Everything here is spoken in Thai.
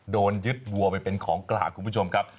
โดนยึดวัวไปเป็นของกลางคุณผู้ชมครับ